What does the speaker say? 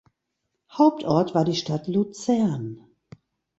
Hauptort war die Stadt Luzern.